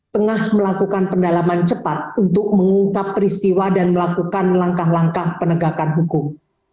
tengah melakukan pendalaman cepat untuk mengungkap peristiwa dan melakukan langkah langkah penegakan hukum